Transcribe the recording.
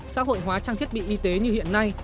xã hội hóa trang thiết bị y tế như hiện nay